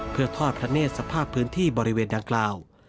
เพื่อทอดพระเนธสภาพพื้นที่บริเวณดังกล่าว